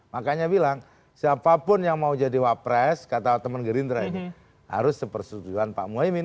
makanya bilang siapapun yang mau jadi wapres kata teman gerindra ini harus sepersetujuan pak muhaymin